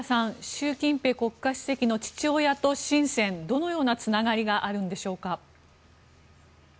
習近平国家主席の父親とシンセンはどのようなつながりがあるんでしょうか。